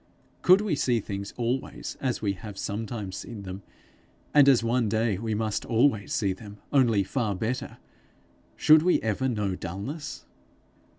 Could we see things always as we have sometimes seen them and as one day we must always see them, only far better should we ever know dullness?